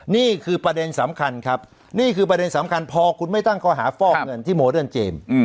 นี่คือประเด็นสำคัญครับนี่คือประเด็นสำคัญพอคุณไม่ตั้งข้อหาฟอกเงินที่โมเดิร์นเจมส์